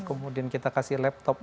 kemudian kita kasih laptop